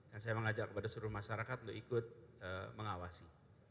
dan saya mengajak kepada seluruh masyarakat untuk ikut mengawasi